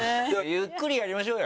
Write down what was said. ゆっくりやりましょうよ。